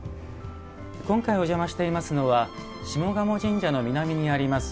今回お邪魔していますのは下鴨神社の南にあります